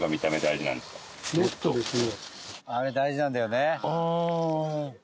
あれ大事なんだよね。